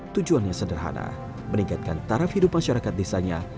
tujuannya sederhana meningkatkan taraf hidup masyarakat desanya